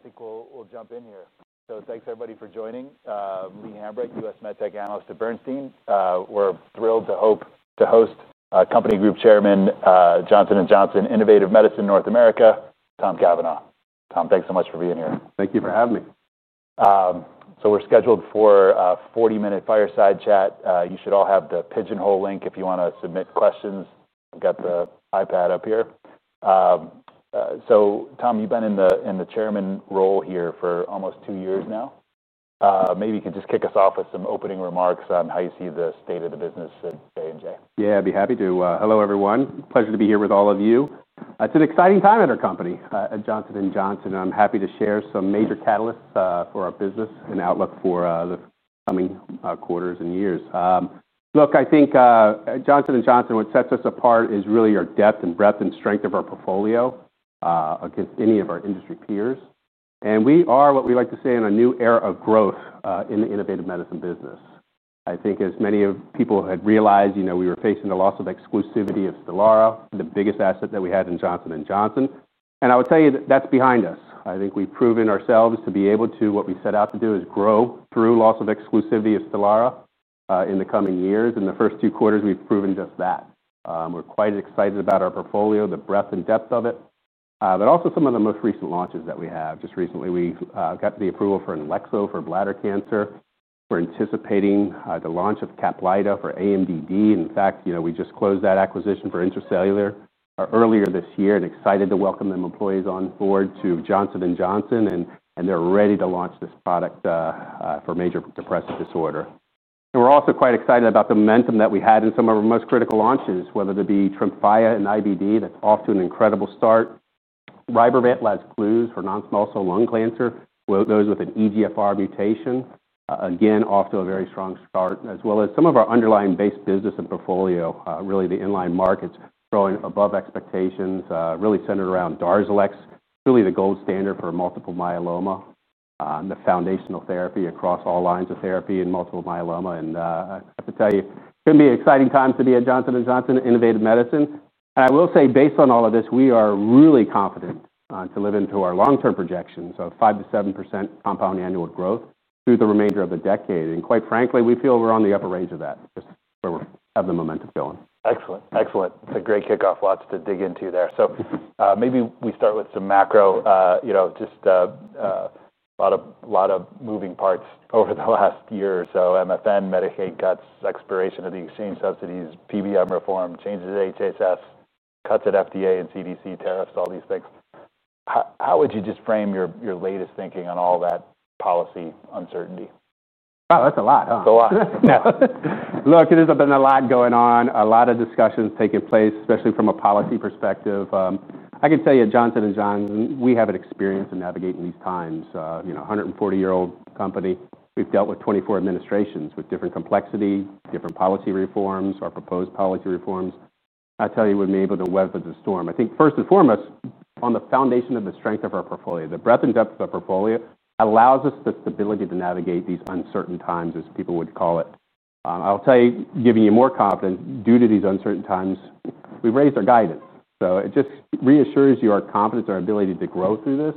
I think we'll jump in here. Thanks everybody for joining. Lee Hambright, US MedTech Analyst at Bernstein. We're thrilled to host Company Group Chairman, Johnson & Johnson Innovative Medicine North America, Tom Cavanaugh. Tom, thanks so much for being here. Thank you for having me. We're scheduled for a 40-minute fireside chat. You should all have the pigeonhole link if you want to submit questions. I've got the iPad up here. Tom, you've been in the Chairman role here for almost two years now. Maybe you could just kick us off with some opening remarks on how you see the state of the business at Johnson & Johnson. Yeah, I'd be happy to. Hello everyone. Pleasure to be here with all of you. It's an exciting time at our company, at Johnson & Johnson, and I'm happy to share some major catalysts for our business and outlook for the coming quarters and years. Look, I think at Johnson & Johnson, what sets us apart is really our depth and breadth and strength of our portfolio against any of our industry peers. We are what we like to say in a new era of growth in the innovative medicine business. I think as many people had realized, you know, we were facing the loss of exclusivity of STELARA, the biggest asset that we had in Johnson & Johnson. I would tell you that that's behind us. I think we've proven ourselves to be able to, what we set out to do is grow through loss of exclusivity of STELARA in the coming years. In the first two quarters, we've proven just that. We're quite excited about our portfolio, the breadth and depth of it, but also some of the most recent launches that we have. Just recently, we got the approval for INFLEXO for bladder cancer. We're anticipating the launch of CAPLYTA for adjunctive major depressive disorder. In fact, you know, we just closed that acquisition for Intercellular earlier this year and excited to welcome employees on board to Johnson & Johnson, and they're ready to launch this product for major depressive disorder. We're also quite excited about the momentum that we had in some of our most critical launches, whether it be TREMFYA in IBD, that's off to an incredible start, RYBREVANT for non-small cell lung cancer, those with an EGFR mutation, again off to a very strong start, as well as some of our underlying base business and portfolio, really the inline markets growing above expectations, really centered around DARZALEX, really the gold standard for multiple myeloma, the foundational therapy across all lines of therapy in multiple myeloma. I have to tell you, it's going to be an exciting time to be at Johnson & Johnson Innovative Medicine. I will say, based on all of this, we are really confident to live into our long-term projections of 5% - 7% compound annual growth through the remainder of the decade. Quite frankly, we feel we're on the upper range of that, just where we have the momentum going. Excellent. Excellent. It's a great kickoff. Lots to dig into there. Maybe we start with some macro, you know, just a lot of moving parts over the last year or so. MFN, Medicaid cuts, expiration of the exchange subsidies, PBM reform, changes to HHS, cuts at FDA and CDC, tariffs, all these things. How would you just frame your latest thinking on all that policy uncertainty? Oh, that's a lot. It's a lot. Look, there's been a lot going on, a lot of discussions taking place, especially from a policy perspective. I can tell you at Johnson & Johnson, we have experience in navigating these times. You know, a 140-year-old company, we've dealt with 24 administrations with different complexity, different policy reforms, proposed policy reforms. I tell you, we've been able to weather the storm. I think first and foremost, on the foundation of the strength of our portfolio, the breadth and depth of our portfolio allows us the stability to navigate these uncertain times, as people would call it. I'll tell you, giving you more confidence due to these uncertain times, we raised our guidance. It just reassures your confidence in our ability to grow through this.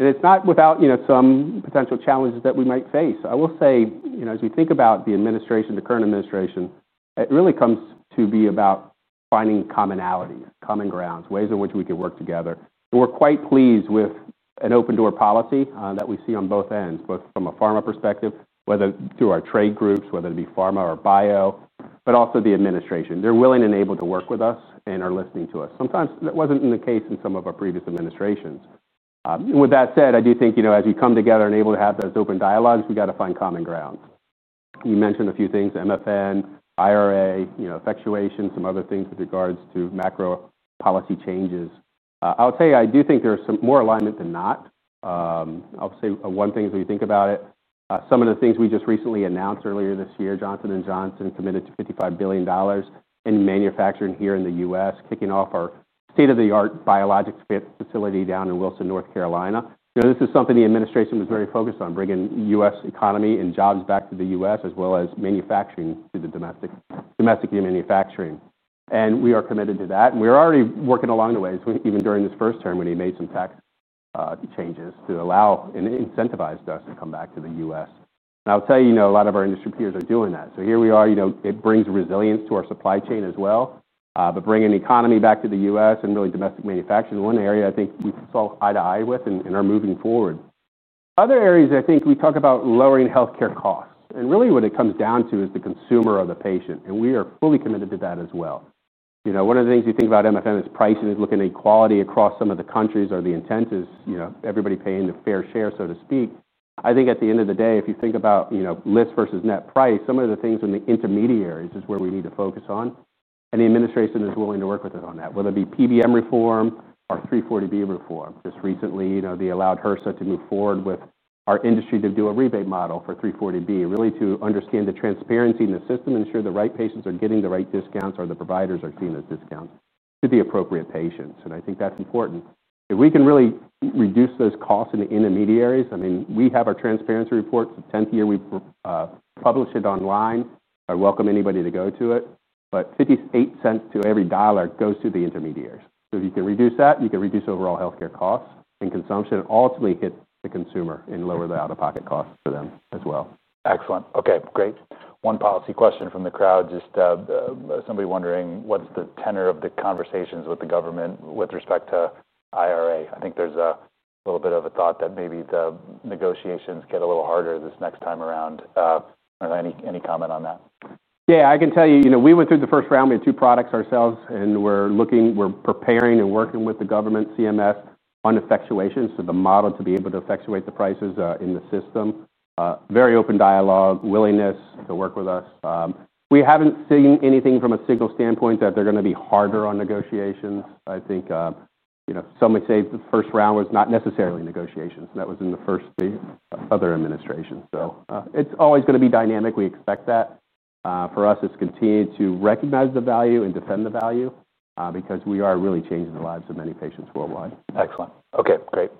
It's not without some potential challenges that we might face. I will say, as we think about the administration, the current administration, it really comes to be about finding commonalities, common grounds, ways in which we could work together. We're quite pleased with an open-door policy that we see on both ends, both from a pharma perspective, whether through our trade groups, whether it be pharma or bio, but also the administration. They're willing and able to work with us and are listening to us. Sometimes that wasn't the case in some of our previous administrations. With that said, I do think as you come together and are able to have those open dialogues, we got to find common grounds. You mentioned a few things, MFN, IRA, effectuation, some other things with regards to macro policy changes. I'll tell you, I do think there's some more alignment than not. I'll say one thing as we think about it. Some of the things we just recently announced earlier this year, Johnson & Johnson committed to $55 billion in manufacturing here in the U.S., kicking off our state-of-the-art biologics facility down in Wilson, North Carolina. This is something the administration was very focused on, bringing the U.S. economy and jobs back to the U.S., as well as manufacturing to the domestic manufacturing. We are committed to that. We're already working along the way, even during this first term, when he made some tax changes to allow and incentivize us to come back to the U.S. I'll tell you, a lot of our industry peers are doing that. Here we are, you know, it brings resilience to our supply chain as well, but bringing the economy back to the U.S. and really domestic manufacturing is one area I think we saw eye to eye with and are moving forward. Other areas, I think we talk about lowering healthcare costs. What it comes down to is the consumer or the patient. We are fully committed to that as well. One of the things you think about MFN is pricing is looking at equality across some of the countries or the intent is, you know, everybody paying the fair share, so to speak. I think at the end of the day, if you think about, you know, list versus net price, some of the things from the intermediaries is where we need to focus on. The administration is willing to work with us on that, whether it be PBM reform or 340B reform. Just recently, they allowed HRSA to move forward with our industry to do a rebate model for 340B, really to understand the transparency in the system and ensure the right patients are getting the right discounts or the providers are seeing those discounts to the appropriate patients. I think that's important. If we can really reduce those costs in the intermediaries, I mean, we have our transparency reports, the 10th year we publish it online. I welcome anybody to go to it. $0.58 to every dollar goes to the intermediaries. If you can reduce that, you can reduce overall healthcare costs and consumption and ultimately hit the consumer and lower the out-of-pocket costs for them as well. Excellent. Okay, great. One policy question from the crowd, just somebody wondering, what's the tenor of the conversations with the government with respect to IRA? I think there's a little bit of a thought that maybe the negotiations get a little harder this next time around. Any comment on that? Yeah, I can tell you, you know, we went through the first round. We had two products ourselves, and we're looking, we're preparing and working with the government, CMF, on effectuation. The model to be able to effectuate the prices in the system. Very open dialogue, willingness to work with us. We haven't seen anything from a signal standpoint that they're going to be harder on negotiations. I think, you know, some would say the first round was not necessarily negotiations. That was in the first other administration. It's always going to be dynamic. We expect that. For us, it's continuing to recognize the value and defend the value because we are really changing the lives of many patients worldwide. Excellent. Okay, great.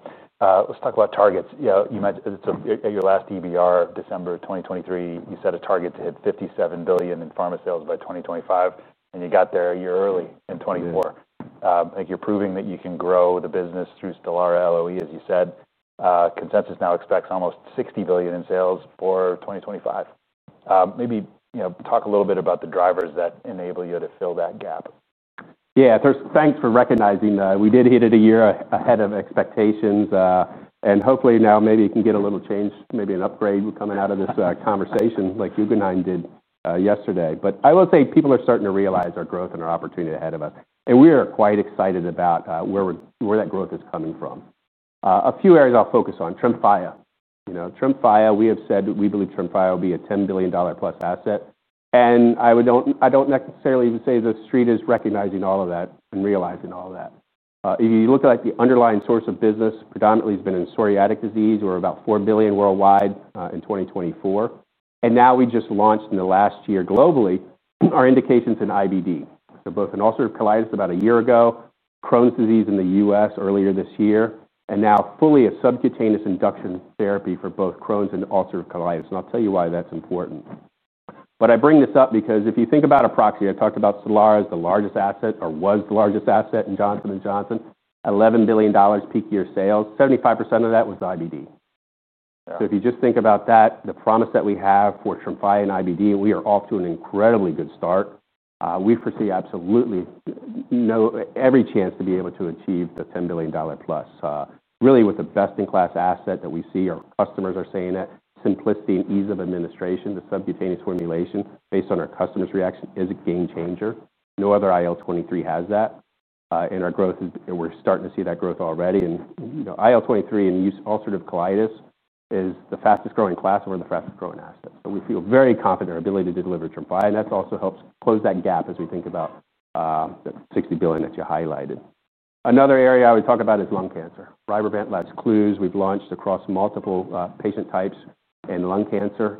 Let's talk about targets. You mentioned it's your last EBR of December 2023. You set a target to hit $57 billion in pharma sales by 2025, and you got there a year early in 2024. I think you're proving that you can grow the business through STELARA loss of exclusivity, as you said. Consensus now expects almost $60 billion in sales for 2025. Maybe, you know, talk a little bit about the drivers that enable you to fill that gap. Yeah, thanks for recognizing. We did hit it a year ahead of expectations. Hopefully now maybe you can get a little change, maybe an upgrade coming out of this conversation like you and I did yesterday. I will say people are starting to realize our growth and our opportunity ahead of us. We are quite excited about where that growth is coming from. A few areas I'll focus on, TREMFYA. You know, TREMFYA, we have said we believe TREMFYA will be a $10+ billion asset. I don't necessarily say the street is recognizing all of that and realizing all of that. If you look at the underlying source of business, predominantly has been in psoriatic disease. We're about $4 billion worldwide in 2024. Now we just launched in the last year globally, our indications in IBD. Both in ulcerative colitis about a year ago, Crohn's disease in the U.S. earlier this year, and now fully a subcutaneous induction therapy for both Crohn's and ulcerative colitis. I'll tell you why that's important. I bring this up because if you think about a proxy, I talked about STELARA is the largest asset or was the largest asset in Johnson & Johnson. $11 billion peak year sales, 75% of that was IBD. If you just think about that, the promise that we have for TREMFYA and IBD, we are off to an incredibly good start. We foresee absolutely every chance to be able to achieve the $10+ billion. Really with the best-in-class asset that we see, our customers are saying that simplicity and ease of administration, the subcutaneous formulation based on our customers' reaction is a game changer. No other IL-23 has that. Our growth is, and we're starting to see that growth already. You know, IL-23 and ulcerative colitis is the fastest growing class or the fastest growing asset. We feel very confident in our ability to deliver TREMFYA. That also helps close that gap as we think about the $60 billion that you highlighted. Another area I would talk about is lung cancer. RYBREVANT we've launched across multiple patient types and lung cancer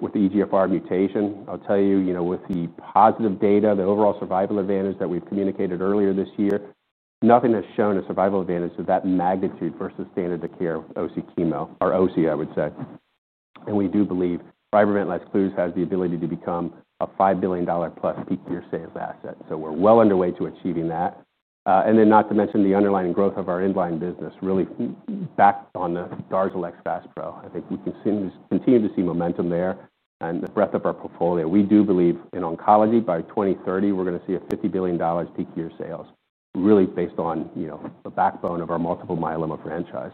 with the EGFR mutation. I'll tell you, with the positive data, the overall survival advantage that we've communicated earlier this year, nothing has shown a survival advantage of that magnitude versus standard of care OC chemo or OC, I would say. We do believe RYBREVANT has the ability to become a $5+ billion peak year sales asset. We're well underway to achieving that. Not to mention the underlying growth of our inline business, really back on the DARZALEX, I think we can continue to see momentum there and the breadth of our portfolio. We do believe in oncology by 2030, we're going to see a $50 billion peak year sales, really based on, you know, the backbone of our multiple myeloma franchise.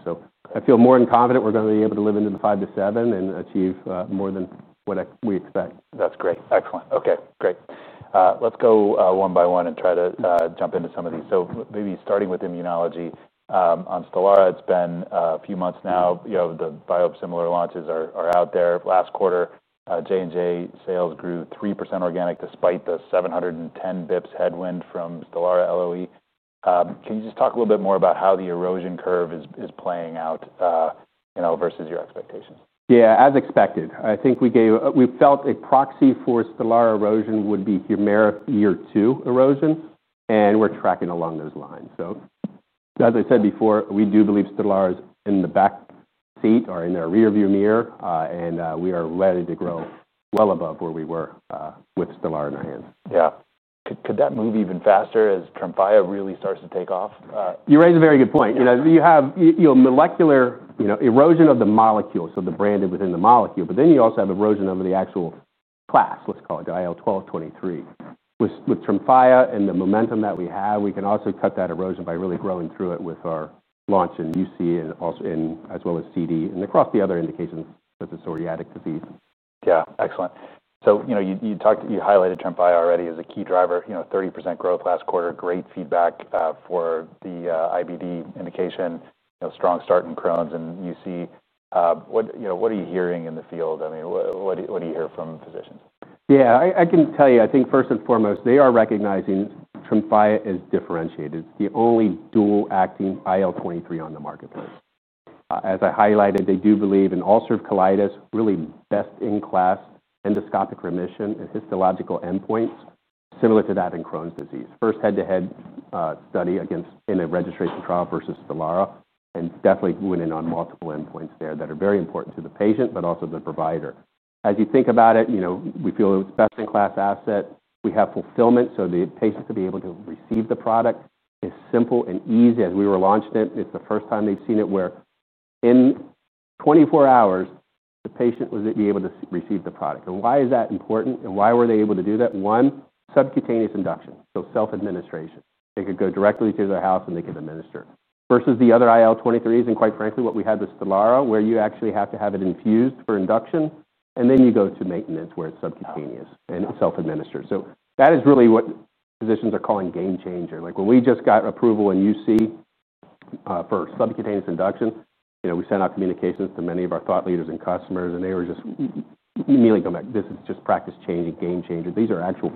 I feel more than confident we're going to be able to live into the five to seven and achieve more than what we expect. That's great. Excellent. Okay, great. Let's go one by one and try to jump into some of these. Maybe starting with immunology. On STELARA, it's been a few months now. The biosimilar launches are out there. Last quarter, J&J sales grew 3% organic despite the 710 basis points headwind from STELARA loss of exclusivity. Can you just talk a little bit more about how the erosion curve is playing out versus your expectations? Yeah, as expected. I think we gave, we felt a proxy for STELARA erosion would be Humira year two erosion, and we're tracking along those lines. As I said before, we do believe STELARA is in the back seat or in the rearview mirror, and we are ready to grow well above where we were with STELARA in our hands. Yeah. Could that move even faster as TREMFYA really starts to take off? You raise a very good point. You have molecular erosion of the molecule, so the branded within the molecule, but then you also have erosion of the actual class, let's call it IL-12/23. With TREMFYA and the momentum that we have, we can also cut that erosion by really growing through it with our launch in UC and also in, as well as CD and across the other indications with the psoriatic disease. Yeah, excellent. You talked, you highlighted TREMFYA already as a key driver, 30% growth last quarter, great feedback for the IBD indication, strong start in Crohn's and UC. What are you hearing in the field? I mean, what do you hear from physicians? Yeah, I can tell you, I think first and foremost, they are recognizing TREMFYA is differentiated. The only dual-acting IL-23 on the marketplace. As I highlighted, they do believe in ulcerative colitis, really best-in-class endoscopic remission and histological endpoints similar to that in Crohn's disease. First head-to-head study in a registration trial versus STELARA and definitely moving in on multiple endpoints there that are very important to the patient, but also the provider. As you think about it, you know, we feel it's a best-in-class asset. We have fulfillment, so the patients to be able to receive the product is simple and easy. As we launched it, it's the first time they've seen it where in 24 hours, the patient was able to receive the product. Why is that important? Why were they able to do that? One, subcutaneous induction, so self-administration. They could go directly to their house and they could administer it versus the other IL-23s. Quite frankly, what we had with STELARA, where you actually have to have it infused for induction, and then you go to maintenance where it's subcutaneous and it's self-administered. That is really what physicians are calling a game changer. Like when we just got approval in UC for subcutaneous induction, we sent out communications to many of our thought leaders and customers, and they were just immediately going back. This is just practice change, a game changer. These are actual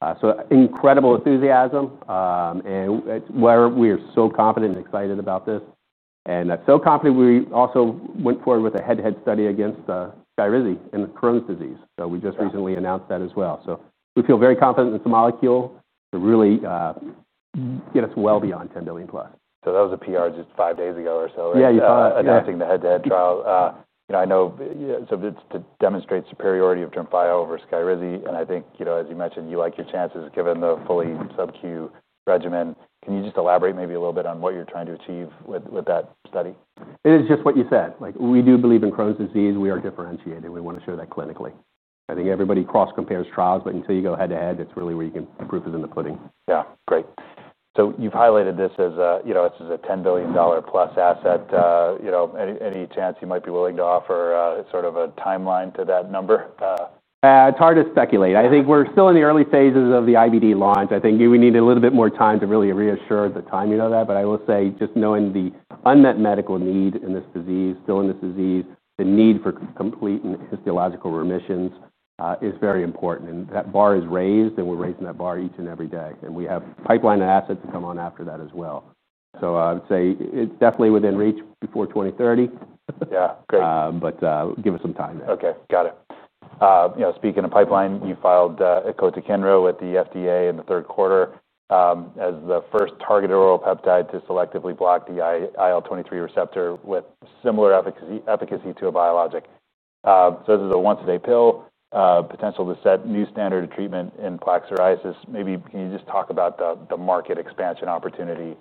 votes. Incredible enthusiasm. It's where we are so confident and excited about this. That's so confident we also went forward with a head-to-head study against SKYRIZI in Crohn's disease. We just recently announced that as well. We feel very confident in this molecule to really get us well beyond $10+ billion. That was a PR just five days ago or so, right? Yeah, you saw it. Announcing the head-to-head trial. I know it's to demonstrate superiority of TREMFYA over SKYRIZI. I think, as you mentioned, you like your chances given the fully sub-Q regimen. Can you just elaborate maybe a little bit on what you're trying to achieve with that study? It is just what you said. Like we do believe in Crohn's disease. We are differentiated. We want to show that clinically. I think everybody cross-compares trials, but until you go head-to-head, it's really where you can prove it in the pudding. Yeah, great. You've highlighted this as, you know, this is a $10+ billion asset. Any chance you might be willing to offer sort of a timeline to that number? It's hard to speculate. I think we're still in the early phases of the IBD launch. I think we need a little bit more time to really reassure the timing of that. I will say just knowing the unmet medical need in this disease, still in this disease, the need for complete and histological remissions is very important. That bar is raised, and we're raising that bar each and every day. We have pipeline assets to come on after that as well. I would say it's definitely within reach before 2030. Yeah, great. Give us some time there. Okay, got it. You know, speaking of pipeline, you filed a code to Icotrokinra with the FDA in the third quarter as the first targeted oral peptide to selectively block the IL-23 receptor with similar efficacy to a biologic. This is a once-a-day pill, potential to set a new standard of treatment in plaque psoriasis. Maybe can you just talk about the market expansion opportunity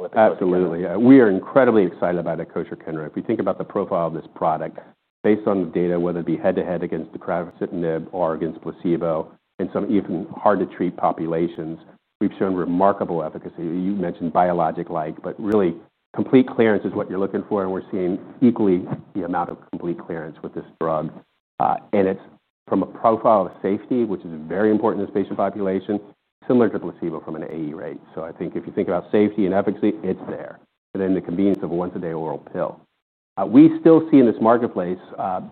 with that? Absolutely. We are incredibly excited about the Icotrokinra. If you think about the profile of this product, based on the data, whether it be head-to-head against the crowd-accepted neb or against placebo in some even hard-to-treat populations, we've shown remarkable efficacy. You mentioned biologic-like, but really complete clearance is what you're looking for. We're seeing equally the amount of complete clearance with this drug. It's from a profile of safety, which is very important in this patient population, similar to placebo from an AE rate. I think if you think about safety and efficacy, it's there. The convenience of a once-a-day oral pill. We still see in this marketplace,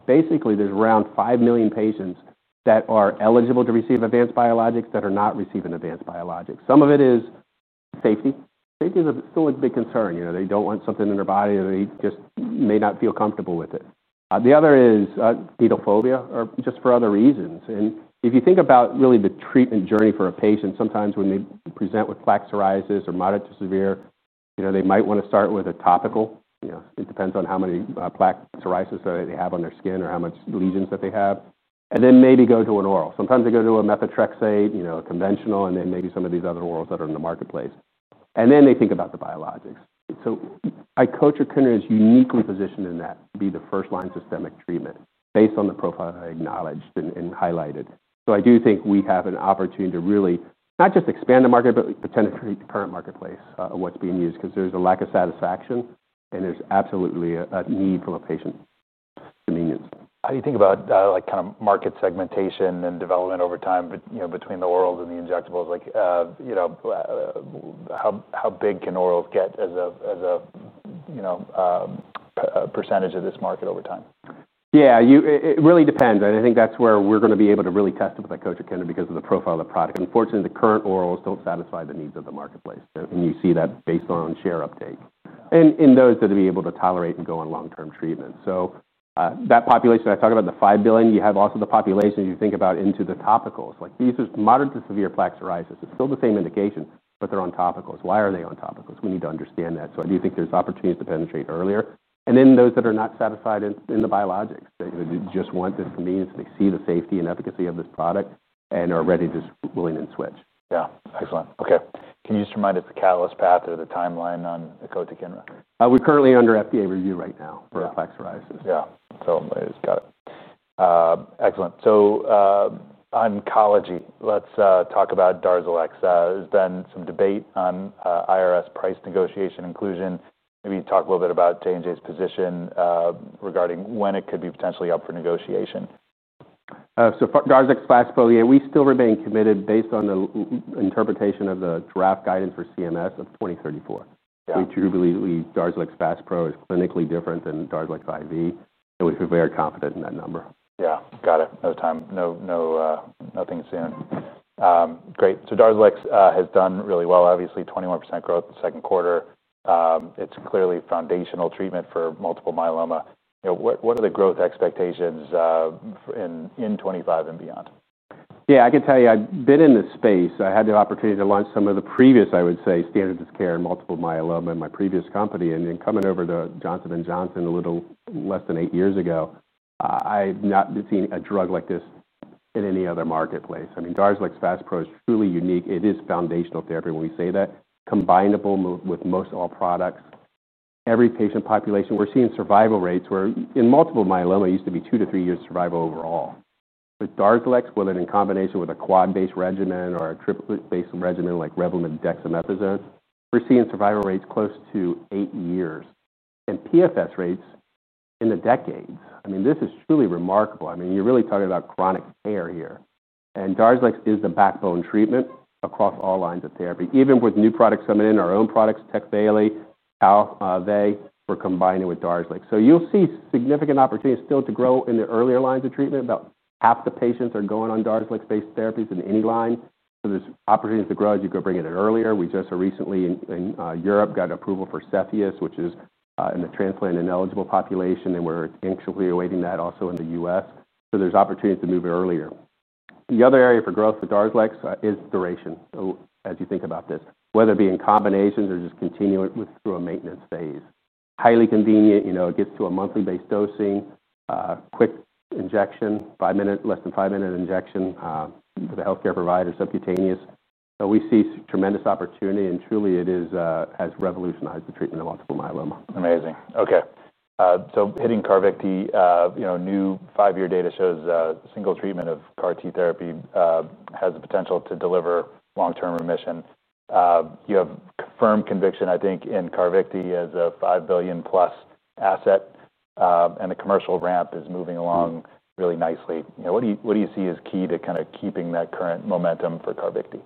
basically there's around 5 million patients that are eligible to receive advanced biologics that are not receiving advanced biologics. Some of it is safety. Safety is still a big concern. You know, they don't want something in their body or they just may not feel comfortable with it. The other is pedophobia or just for other reasons. If you think about really the treatment journey for a patient, sometimes when they present with plaque psoriasis or moderate to severe, you know, they might want to start with a topical. It depends on how many plaque psoriasis that they have on their skin or how much lesions that they have. Maybe go to an oral. Sometimes they go to a methotrexate, you know, conventional, and then maybe some of these other orals that are in the marketplace. They think about the biologics. Icotrokinra is uniquely positioned in that to be the first-line systemic treatment based on the profile that I acknowledged and highlighted. I do think we have an opportunity to really not just expand the market, but to penetrate the current marketplace of what's being used because there's a lack of satisfaction and there's absolutely a need from a patient's convenience. How do you think about market segmentation and development over time, you know, between the orals and the injectables? Like, you know, how big can orals get as a percentage of this market over time? Yeah, it really depends. I think that's where we're going to be able to really test it with a Icotrokinra because of the profile of the product. Unfortunately, the current orals don't satisfy the needs of the marketplace. You see that based on share uptake and in those that are able to tolerate and go on long-term treatment. That population I talked about, the $5 billion, you have also the populations you think about into the topicals. These are moderate to severe plaque psoriasis. It's still the same indication, but they're on topicals. Why are they on topicals? We need to understand that. I do think there's opportunities to penetrate earlier. Those that are not satisfied in the biologics, they just want the convenience. They see the safety and efficacy of this product and are ready to switch and switch. Yeah, excellent. Okay. Can you just remind us the catalyst path or the timeline on CARVYKTI and RYBREVANT? We're currently under FDA review right now for plaque psoriasis. Yeah, totally. Got it. Excellent. Oncology, let's talk about DARZALEX. There's been some debate on IRS price negotiation inclusion. Maybe you talk a little bit about J&J's position regarding when it could be potentially up for negotiation. For DARZALEX/FASPRO, we still remain committed based on the interpretation of the draft guidance for CMS for 2034. We truly believe DARZALEX/FASPRO is clinically different than DARZALEX IV, and we're very confident in that number. Got it. DARZALEX has done really well, obviously 21% growth in the second quarter. It's clearly foundational treatment for multiple myeloma. You know, what are the growth expectations in 2025 and beyond? Yeah, I can tell you I've been in this space. I had the opportunity to launch some of the previous, I would say, standard of care in multiple myeloma in my previous company. Coming over to Johnson & Johnson a little less than eight years ago, I've not seen a drug like this in any other marketplace. I mean, DARZALEX/FASPRO is truly unique. It is foundational therapy. When we say that, combinable with most all products, every patient population, we're seeing survival rates where in multiple myeloma, it used to be two to three years survival overall. With DARZALEX, whether in combination with a quad-based regimen or a triplet-based regimen like Revlimid and dexamethasone, we're seeing survival rates close to eight years and PFS rates in the decades. This is truly remarkable. You're really talking about chronic care here. DARZALEX is the backbone treatment across all lines of therapy. Even with new products coming in, our own products, TECVAYLI, ALV, we're combining with DARZALEX. You'll see significant opportunities still to grow in the earlier lines of treatment. About half the patients are going on DARZALEX-based therapies in any line. There's opportunities to grow as you go bringing it earlier. We just recently in Europe got approval for CEPHEUS, which is in the transplant ineligible population. We're actually awaiting that also in the U.S. There's opportunities to move it earlier. The other area for growth with DARZALEX is duration. As you think about this, whether it be in combinations or just continuing with through a maintenance phase, highly convenient. It gets to a monthly-based dosing, a quick injection, five minutes, less than five minutes injection to the healthcare provider, subcutaneous. We see tremendous opportunity and truly it has revolutionized the treatment of multiple myeloma. Amazing. Okay. Hitting CARVYKTI, you know, new five-year data shows a single treatment of CAR-T therapy has the potential to deliver long-term remission. You have firm conviction, I think, in CARVYKTI as a $5 billion plus asset, and the commercial ramp is moving along really nicely. What do you see as key to kind of keeping that current momentum for CARVYKTI?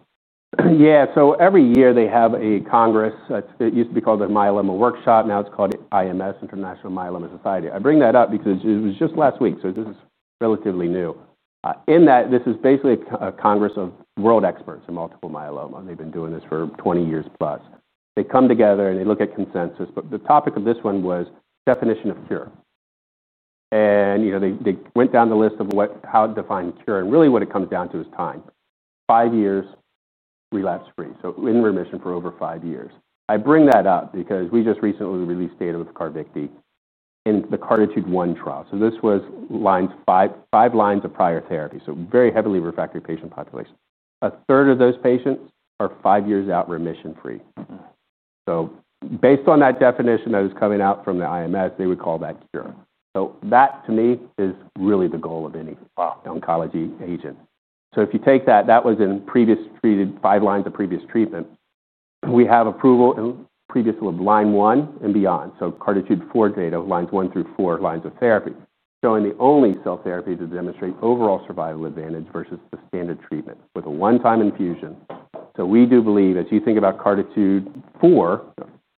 Yeah, so every year they have a Congress. It used to be called the Myeloma Workshop. Now it's called IMS, International Myeloma Society. I bring that up because it was just last week. This is relatively new. In that, this is basically a Congress of world experts in multiple myeloma. They've been doing this for 20+ years. They come together and they look at consensus. The topic of this one was definition of cure. You know, they went down the list of how to define cure. Really what it comes down to is time. Five years, relapse-free. In remission for over five years. I bring that up because we just recently released data with CARVYKTI in the CARTITUDE-1 trial. This was five lines of prior therapy, so very heavily refractory patient population. A third of those patients are five years out, remission-free. Based on that definition that is coming out from the IMS, they would call that cure. That to me is really the goal of any oncology agent. If you take that, that was in previously treated five lines of previous treatment. We have approval in previous line one and beyond. CARTITUDE-4 data, lines one through four lines of therapy, showing the only cell therapy to demonstrate overall survival advantage versus the standard treatment with a one-time infusion. We do believe as you think about CARTITUDE-4 or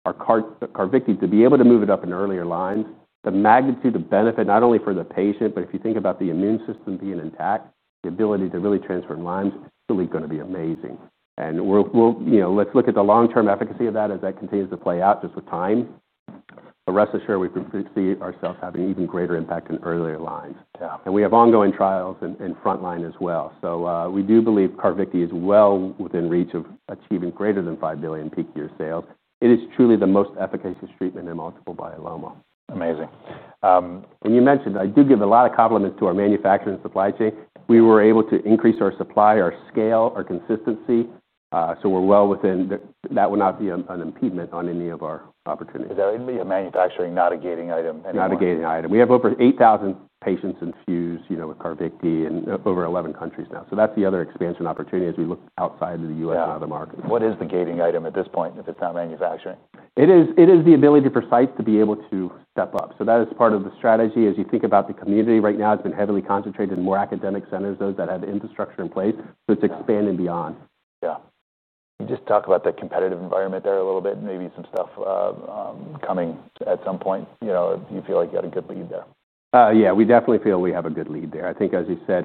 CARVYKTI to be able to move it up in earlier lines, the magnitude of benefit not only for the patient, but if you think about the immune system being intact, the ability to really transform lines, it's really going to be amazing. We'll, you know, let's look at the long-term efficacy of that as that continues to play out just with time. Rest assured, we could see ourselves having an even greater impact in earlier lines. We have ongoing trials in frontline as well. We do believe CARVYKTI is well within reach of achieving greater than $5 billion peak year sales. It is truly the most efficacious treatment in multiple myeloma. Amazing. I do give a lot of compliments to our manufacturing and supply chain. We were able to increase our supply, our scale, our consistency. We are well within that. That would not be an impediment on any of our opportunities. Is that manufacturing, not a gating item? Not a gating item. We have over 8,000 patients infused, you know, with CARVYKTI in over 11 countries now. That's the other expansion opportunity as we look outside of the U.S. and other markets. What is the gating item at this point if it's not manufacturing? It is the ability for site to be able to step up. That is part of the strategy. As you think about the community right now, it's been heavily concentrated in more academic centers, those that had infrastructure in place. It's expanding beyond. Yeah. Can you just talk about the competitive environment there a little bit and maybe some stuff coming at some point? You know, you feel like you had a good lead there. Yeah, we definitely feel we have a good lead there. I think, as you said,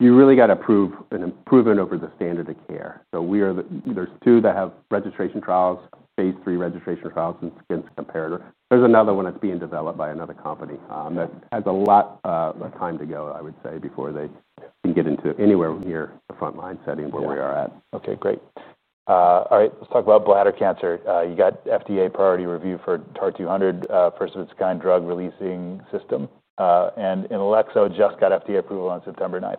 you really got to prove an improvement over the standard of care. There are two that have registration trials, phase three registration trials, and it's against the comparator. There's another one that's being developed by another company that has a lot of time to go, I would say, before they can get into anywhere near the frontline setting where we are at. Okay, great. All right, let's talk about bladder cancer. You got FDA priority review for TAR-200, first of its kind drug releasing system. And Nalexo just got FDA approval on September 9.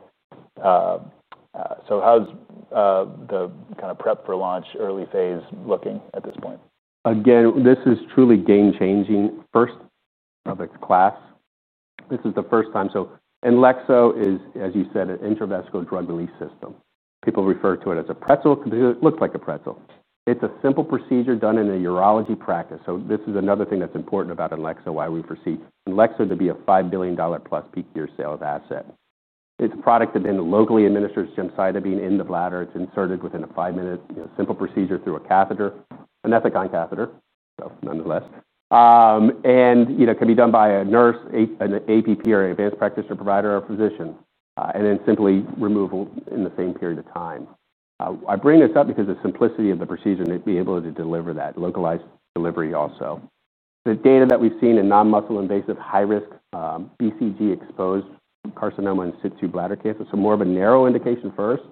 How's the kind of prep for launch early phase looking at this point? Again, this is truly game-changing. First of its class. This is the first time. So INLEXZO is, as you said, an intravesical drug release system. People refer to it as a pretzel. It looks like a pretzel. It's a simple procedure done in a urology practice. This is another thing that's important about INLEXZO, why we proceed. INLEXZO to be a $5+ billion peak year sales asset. It's a product that then locally administers gemcitabine in the bladder. It's inserted within a five-minute, you know, simple procedure through a catheter, an Ethicon catheter, nonetheless. It can be done by a nurse, an APP or an advanced practitioner provider or a physician, and then simply removal in the same period of time. I bring this up because of the simplicity of the procedure and to be able to deliver that localized delivery also. The data that we've seen in non-muscle invasive high-risk BCG-exposed carcinoma in situ bladder cancer, so more of a narrow indication first,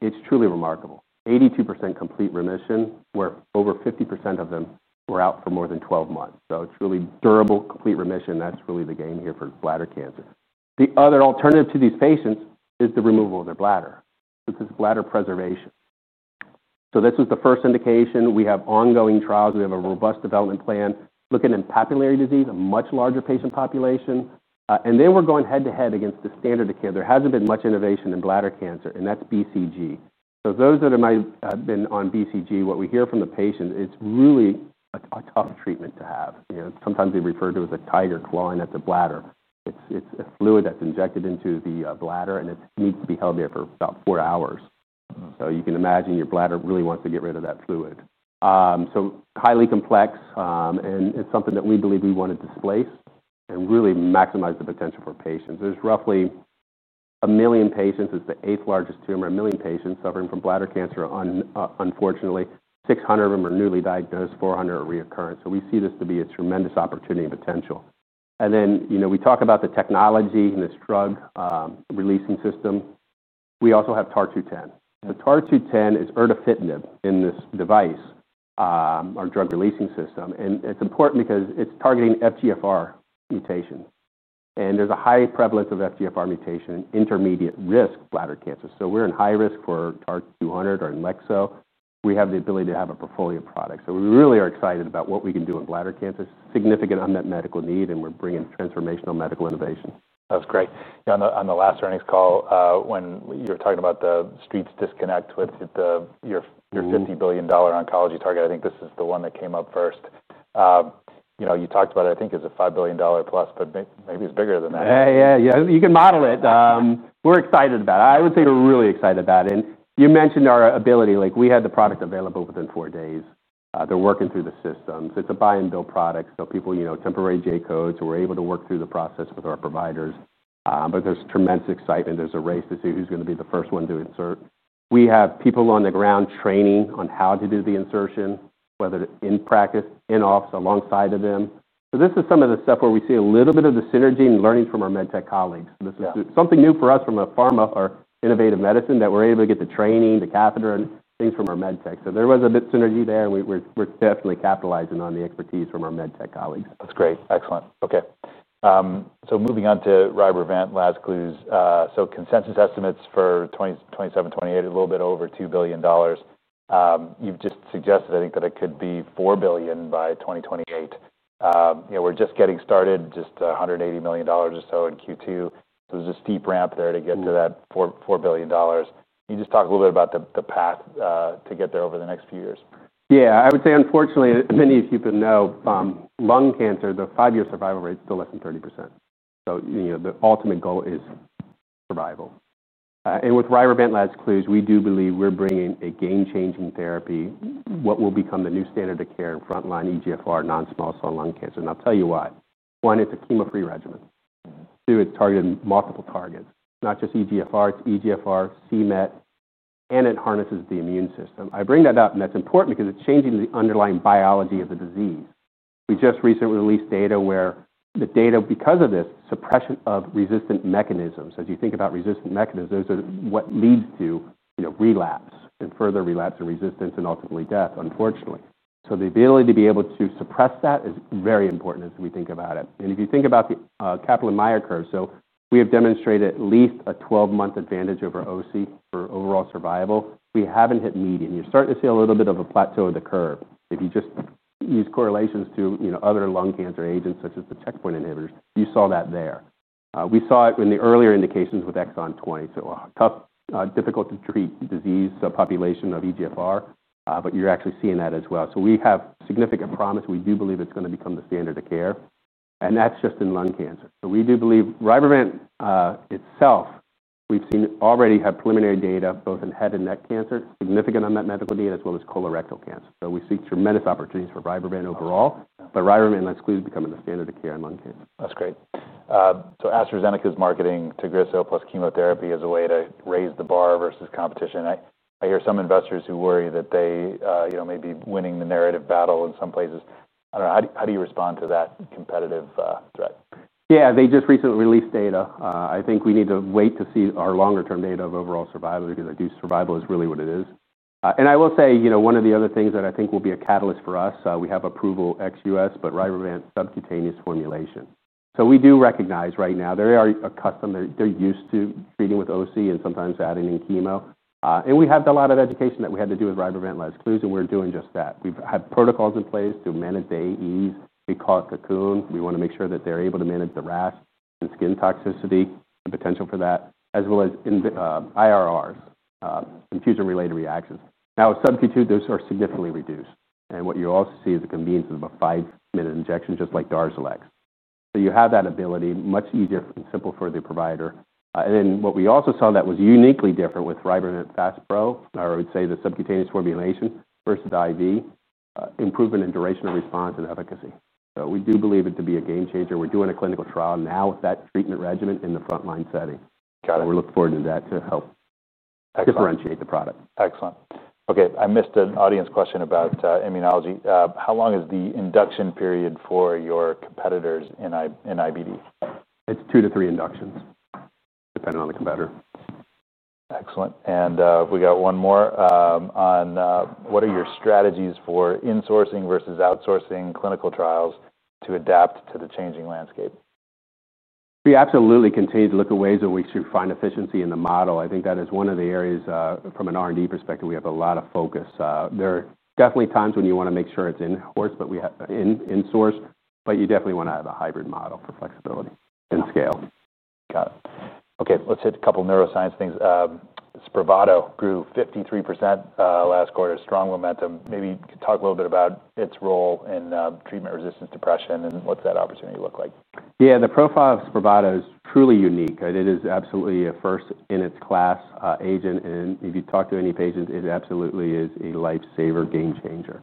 it's truly remarkable. 82% complete remission where over 50% of them were out for more than 12 months. Truly durable complete remission. That's really the game here for bladder cancer. The other alternative to these patients is the removal of their bladder. This is bladder preservation. This was the first indication. We have ongoing trials. We have a robust development plan looking in papillary disease, a much larger patient population. We're going head-to-head against the standard of care. There hasn't been much innovation in bladder cancer, and that's BCG. Those that have been on BCG, what we hear from the patients, it's really a tough treatment to have. Sometimes they refer to it as a tiger clawing at the bladder. It's a fluid that's injected into the bladder, and it needs to be held there for about four hours. You can imagine your bladder really wants to get rid of that fluid. Highly complex, and it's something that we believe we want to displace and really maximize the potential for patients. There's roughly a million patients. It's the eighth largest tumor. A million patients suffering from bladder cancer, unfortunately. 600,000 of them are newly diagnosed, 400,000 are recurrent. We see this to be a tremendous opportunity and potential. We talk about the technology and this drug releasing system. We also have TAR 210, and the TAR 210 is erdafitinib in this device, our drug releasing system. It's important because it's targeting FGFR mutation. There's a high prevalence of FGFR mutation in intermediate risk bladder cancer. We're in high risk for TAR 200. We have the ability to have a portfolio product. We really are excited about what we can do in bladder cancer, significant unmet medical need, and we're bringing transformational medical innovation. That's great. On the last earnings call, when you were talking about the street's disconnect with your $50 billion oncology target, I think this is the one that came up first. You talked about it, I think it's a $5+ billion, but maybe it's bigger than that. You can model it. We're excited about it. I would say we're really excited about it. You mentioned our ability, like we had the product available within four days. They're working through the systems. It's a buy-and-build product. People, you know, temporary J codes, so we're able to work through the process with our providers. There's tremendous excitement. There's a race to see who's going to be the first one to insert. We have people on the ground training on how to do the insertion, whether in practice, in office, alongside of them. This is some of the stuff where we see a little bit of the synergy and learning from our medtech colleagues. This is something new for us from a pharma or innovative medicine that we're able to get the training, the catheter, and things from our medtech. There was a bit of synergy there, and we're definitely capitalizing on the expertise from our medtech colleagues. That's great. Excellent. Okay. Moving on to RYBREVANT. Consensus estimates for 2027, 2028, a little bit over $2 billion. You've just suggested, I think, that it could be $4 billion by 2028. You know, we're just getting started, just $180 million or so in Q2. There's a steep ramp there to get to that $4 billion. Can you talk a little bit about the path to get there over the next few years? Yeah, I would say unfortunately, as many of you could know, lung cancer, the five-year survival rate is still less than 30%. The ultimate goal is survival. With RYBREVANT, we do believe we're bringing a game-changing therapy, what will become the new standard of care in frontline EGFR-mutated non-small cell lung cancer. I'll tell you why. One, it's a chemo-free regimen. Two, it targets multiple targets, not just EGFR. It's EGFR, CMET, and it harnesses the immune system. I bring that up, and that's important because it's changing the underlying biology of the disease. We just recently released data where the data, because of this, suppression of resistant mechanisms. As you think about resistant mechanisms, this is what leads to relapse and further relapse and resistance and ultimately death, unfortunately. The ability to be able to suppress that is very important as we think about it. If you think about the Kaplan-Meier curve, we have demonstrated at least a 12-month advantage over OC for overall survival. We haven't hit median. You're starting to see a little bit of a plateau of the curve. If you just use correlations to other lung cancer agents such as the checkpoint inhibitors, you saw that there. We saw it in the earlier indications with Exon 20. Tough, difficult to treat disease, the population of EGFR, but you're actually seeing that as well. We have significant promise. We do believe it's going to become the standard of care. That's just in lung cancer. We do believe RYBREVANT itself, we've seen already have preliminary data both in head and neck cancer, significant unmet medical need, as well as colorectal cancer. We see tremendous opportunities for RYBREVANT overall, but RYBREVANT becoming the standard of care in lung cancer. That's great. AstraZeneca is marketing Tagrisso plus chemotherapy as a way to raise the bar versus competition. I hear some investors who worry that they may be winning the narrative battle in some places. I don't know. How do you respond to that competitive threat? Yeah, they just recently released data. I think we need to wait to see our longer-term data of overall survival because overall survival is really what it is. I will say, one of the other things that I think will be a catalyst for us, we have approval ex-U.S., but RYBREVANT subcutaneous formulation. We do recognize right now they are accustomed, they're used to treating with OC and sometimes adding in chemo. We had a lot of education that we had to do with RYBREVANT/RYBREVANT, and we're doing just that. We've had protocols in place to manage AEs. They call it cocoon. We want to make sure that they're able to manage the RAS and skin toxicity and potential for that, as well as IRRs, infusion-related reactions. Now with SubQ2, those are significantly reduced. What you also see is the convenience of a five-minute injection, just like DARZALEX. You have that ability, much easier and simple for the provider. What we also saw that was uniquely different with RYBREVANT/FASPRO, or I would say the subcutaneous formulation versus the IV, improvement in duration of response and efficacy. We do believe it to be a game changer. We're doing a clinical trial now with that treatment regimen in the frontline setting. Got it. We're looking forward to that to help differentiate the product. Excellent. Okay, I missed an audience question about immunology. How long is the induction period for your competitors in IBD? It's two to three inductions, depending on the competitor. Excellent. We got one more on what are your strategies for insourcing versus outsourcing clinical trials to adapt to the changing landscape? We absolutely continue to look at ways in which to find efficiency in the model. I think that is one of the areas from an R&D perspective, we have a lot of focus. There are definitely times when you want to make sure it's in-source, but you definitely want to have a hybrid model for flexibility and scale. Got it. Okay, let's hit a couple of neuroscience things. SPRAVATO grew 53% last quarter, strong momentum. Maybe talk a little bit about its role in treatment-resistant depression and what's that opportunity look like? Yeah, the profile of SPRAVATO is truly unique. It is absolutely a first in its class agent. If you talk to any patients, it absolutely is a lifesaver, game changer.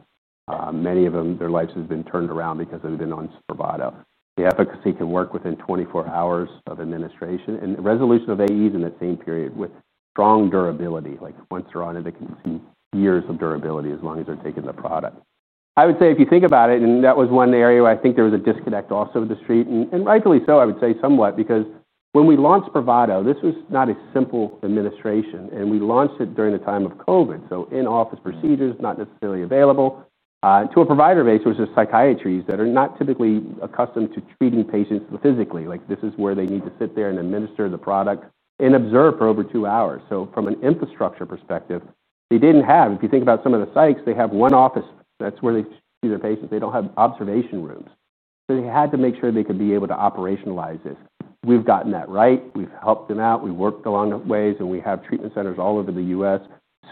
Many of them, their lives have been turned around because they've been on SPRAVATO. The efficacy can work within 24 hours of administration and resolution of AEs in that same period with strong durability. Once they're on it, they can see years of durability as long as they're taking the product. I would say if you think about it, that was one area where I think there was a disconnect also with the street, and rightfully so, I would say somewhat, because when we launched SPRAVATO, this was not a simple administration. We launched it during the time of COVID. In-office procedures were not necessarily available to a provider base, which are psychiatrists that are not typically accustomed to treating patients physically. This is where they need to sit there and administer the product and observe for over two hours. From an infrastructure perspective, they didn't have, if you think about some of the psychs, they have one office. That's where they see their patients. They don't have observation rooms. They had to make sure they could be able to operationalize this. We've gotten that right. We've helped them out. We worked along the ways, and we have treatment centers all over the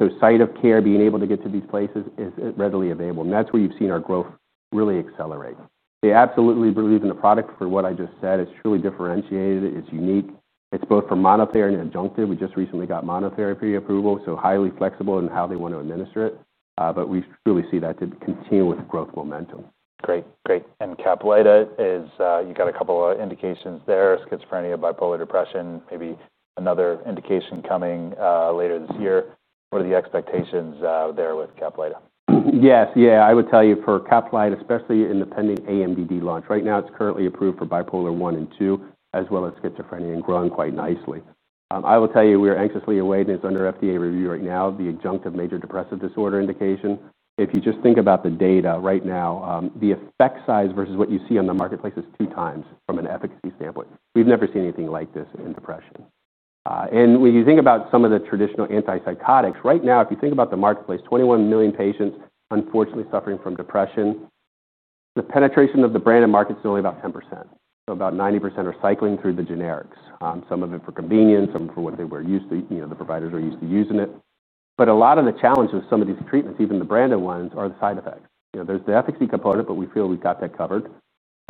U.S. Site of care, being able to get to these places is readily available. That's where you've seen our growth really accelerate. They absolutely believe in the product. For what I just said, it's truly differentiated. It's unique. It's both for monotherapy and adjunctive. We just recently got monotherapy approval, so highly flexible in how they want to administer it. We truly see that to continue with growth momentum. Great, great. CAPLYTA is, you got a couple of indications there, schizophrenia, bipolar depression, maybe another indication coming later this year. What are the expectations there with CAPLYTA? Yes, yeah, I would tell you for CAPLYTA, especially in the pending AMDD launch. Right now, it's currently approved for bipolar one and two, as well as schizophrenia and growing quite nicely. I will tell you, we're anxiously awaiting, it's under FDA review right now, the adjunctive major depressive disorder indication. If you just think about the data right now, the effect size versus what you see on the marketplace is two times from an efficacy standpoint. We've never seen anything like this in depression. When you think about some of the traditional antipsychotics, right now, if you think about the marketplace, 21 million patients unfortunately suffering from depression, the penetration of the branded markets is only about 10%. About 90% are cycling through the generics, some of it for convenience, some for what they were used to, you know, the providers are used to using it. A lot of the challenge with some of these treatments, even the branded ones, are the side effects. There's the efficacy component, but we feel we've got that covered.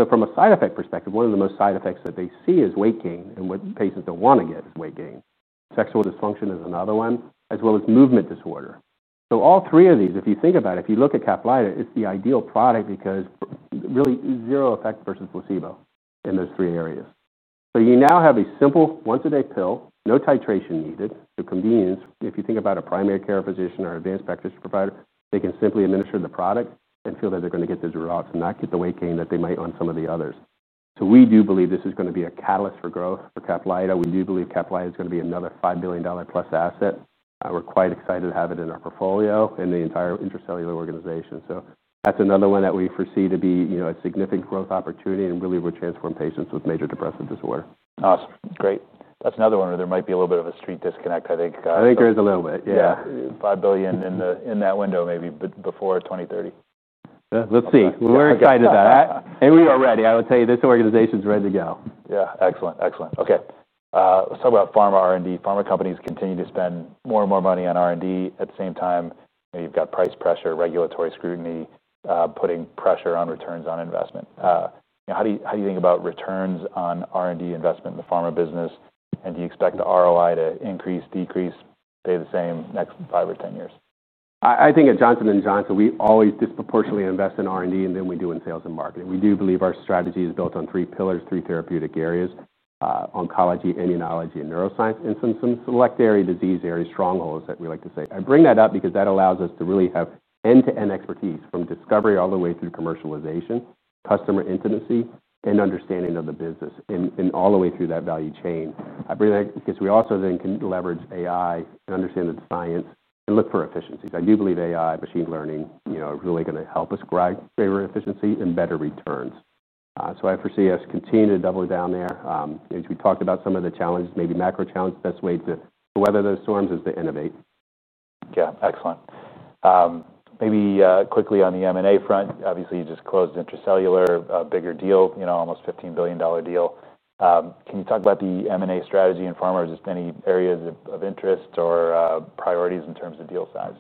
From a side effect perspective, one of the most side effects that they see is weight gain, and what patients don't want to get is weight gain. Sexual dysfunction is another one, as well as movement disorder. All three of these, if you think about it, if you look at CAPLYTA, it's the ideal product because really zero effect versus placebo in those three areas. You now have a simple once-a-day pill, no titration needed. Convenience, if you think about a primary care physician or advanced practitioner provider, they can simply administer the product and feel that they're going to get those results and not get the weight gain that they might on some of the others. We do believe this is going to be a catalyst for growth for CAPLYTA. We do believe CAPLYTA is going to be another $5+ billion asset. We're quite excited to have it in our portfolio and the entire Intercellular organization. That's another one that we foresee to be, you know, a significant growth opportunity and really will transform patients with major depressive disorder. Awesome. Great. That's another one where there might be a little bit of a street disconnect, I think. I think there is a little bit, yeah. $5 billion in that window, maybe before 2030. Let's see. We're excited about it, and we are ready. I would tell you this organization is ready to go. Excellent. Okay. Let's talk about pharma R&D. Pharma companies continue to spend more and more money on R&D. At the same time, you've got price pressure, regulatory scrutiny, putting pressure on returns on investment. How do you think about returns on R&D investment in the pharma business? Do you expect the ROI to increase, decrease, or stay the same the next five or ten years? I think at Johnson & Johnson, we always disproportionately invest in R&D than we do in sales and marketing. We do believe our strategy is built on three pillars, three therapeutic areas: oncology, immunology, and neuroscience, and some select disease areas, strongholds that we like to say. I bring that up because that allows us to really have end-to-end expertise from discovery all the way through commercialization, customer intimacy, and understanding of the business and all the way through that value chain. I bring that because we also then can leverage AI and understand the science and look for efficiencies. I do believe AI, machine learning, you know, are really going to help us grab greater efficiency and better returns. I foresee us continuing to double down there. As we talked about some of the challenges, maybe macro challenge, best way to weather those storms is to innovate. Yeah, excellent. Maybe quickly on the M&A front, obviously you just closed Intercellular, a bigger deal, you know, almost $15 billion deal. Can you talk about the M&A strategy in pharma or just any areas of interest or priorities in terms of deal size?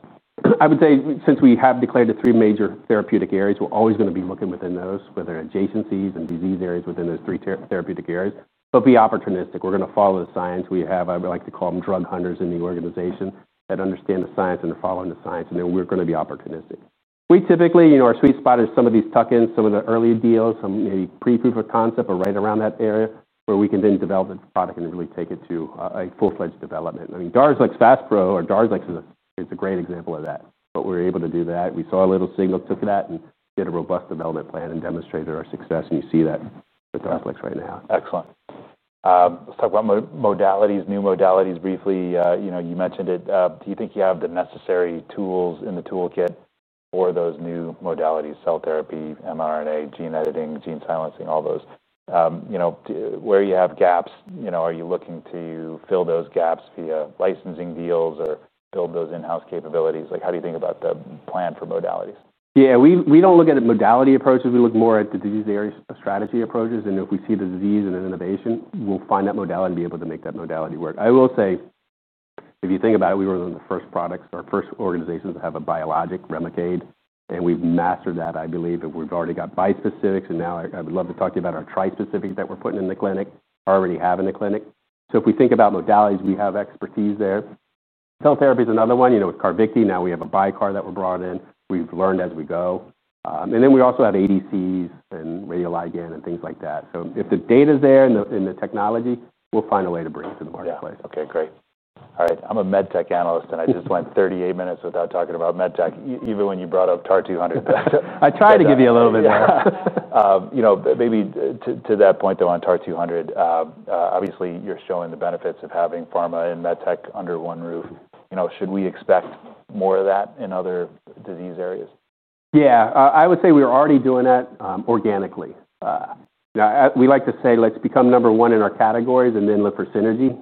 I would say since we have declared the three major therapeutic areas, we're always going to be looking within those, whether adjacencies and disease areas within those three therapeutic areas, but be opportunistic. We're going to follow the science. We have, I would like to call them, drug hunters in the organization that understand the science and they're following the science, and then we're going to be opportunistic. We typically, you know, our sweet spot is some of these tuck-ins, some of the early deals, some maybe pre-proof of concept or right around that area where we can then develop a product and really take it to a full-fledged development. I mean, DARZALEX/FASPRO or DARZALEX is a great example of that, but we're able to do that. We saw a little signal, took that and did a robust development plan and demonstrated our success, and you see that with DARZALEX right now. Excellent. Let's talk about modalities, new modalities briefly. You mentioned it. Do you think you have the necessary tools in the toolkit for those new modalities, cell therapy, mRNA, gene editing, gene silencing, all those? Where you have gaps, are you looking to fill those gaps via licensing deals or build those in-house capabilities? How do you think about the plan for modalities? Yeah, we don't look at the modality approaches. We look more at the disease area strategy approaches, and if we see the disease and an innovation, we'll find that modality and be able to make that modality work. I will say, if you think about it, we were one of the first products or first organizations to have a biologic Remicade, and we've mastered that, I believe, and we've already got bispecifics, and now I would love to talk to you about our trispecifics that we're putting in the clinic, already have in the clinic. If we think about modalities, we have expertise there. Cell therapy is another one, you know, with CARVYKTI now we have a bicarb that we brought in. We've learned as we go. We also have ADCs and radioligand and things like that. If the data is there and the technology, we'll find a way to breathe in the marketplace. Okay, great. All right. I'm a MedTech analyst, and I just went 38 minutes without talking about MedTech, even when you brought up TAR 200. I tried to give you a little bit more. You know, maybe to that point though on TAR 200, obviously you're showing the benefits of having pharma and medtech under one roof. Should we expect more of that in other disease areas? Yeah, I would say we're already doing that organically. We like to say let's become number one in our categories and then look for synergy.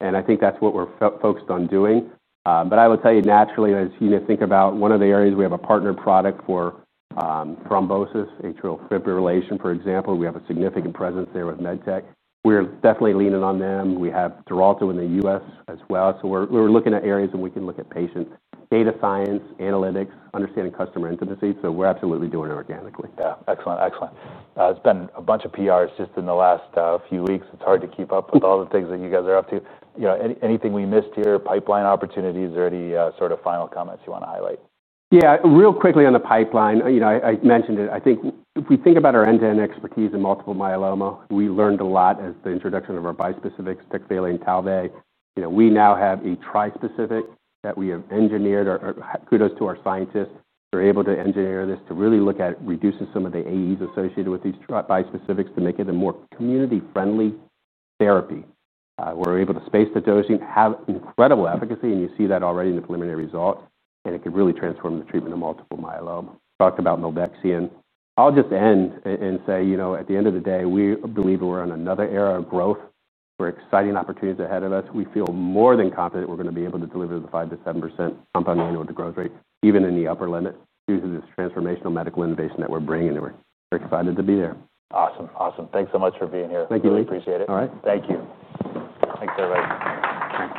I think that's what we're focused on doing. I will tell you, naturally, as you think about one of the areas, we have a partner product for thrombosis, atrial fibrillation, for example. We have a significant presence there with MedTech. We're definitely leaning on them. We have XARELTO in the U.S. as well. We're looking at areas and we can look at patient data science, analytics, understanding customer intimacy. We're absolutely doing it organically. Yeah, excellent, excellent. There have been a bunch of PRs just in the last few weeks. It's hard to keep up with all the things that you guys are up to. You know, anything we missed here, pipeline opportunities, or any sort of final comments you want to highlight? Yeah, real quickly on the pipeline, you know, I mentioned it. I think if we think about our end-to-end expertise in multiple myeloma, we learned a lot as the introduction of our bispecifics, TECVAYLI and Talvey. You know, we now have a trispecific that we have engineered, or kudos to our scientists, we're able to engineer this to really look at reducing some of the AEs associated with these trispecifics to make it a more community-friendly therapy. We're able to space the dosing, have incredible efficacy, and you see that already in the preliminary result, and it could really transform the treatment of multiple myeloma. Talked about Mobexia. I'll just end and say, you know, at the end of the day, we believe we're in another era of growth. We're exciting opportunities ahead of us. We feel more than confident we're going to be able to deliver the 5% - 7% compound annual growth rate, even in the upper limit, due to this transformational medical innovation that we're bringing in. We're excited to be there. Awesome, awesome. Thanks so much for being here. Thank you, Lee. We appreciate it. All right. Thank you. Thanks, everybody. Thanks.